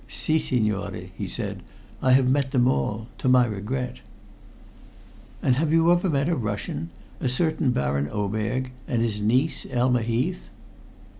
"Si, signore," he said. "I have met them all to my regret." "And have you ever met a Russian a certain Baron Oberg and his niece, Elma Heath?"